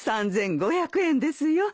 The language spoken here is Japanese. ３，５００円ですよ。